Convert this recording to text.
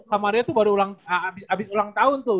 kak maria tuh baru abis abis ulang tahun tuh